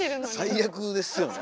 最悪ですよね。